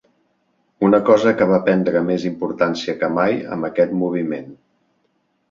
Una cosa que va prendre més importància que mai amb aquest moviment.